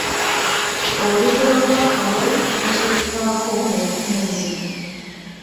Olugero lwa Kawere ne kye lufaako mu bufunze